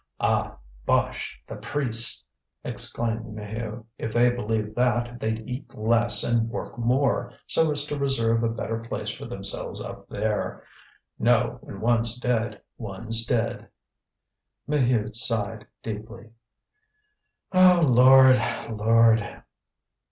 "Ah! bosh! the priests!" exclaimed Maheu. "If they believed that, they'd eat less and work more, so as to reserve a better place for themselves up there. No, when one's dead, one's dead." Maheude sighed deeply. "Oh, Lord, Lord!"